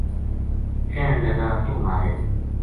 کہن لگا توہ مھارے